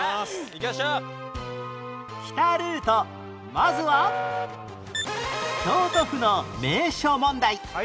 まずは京都府の名所問題